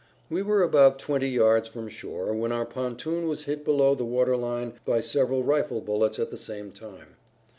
We were about twenty yards from shore when our pontoon was hit below the water line by several rifle bullets at the same time.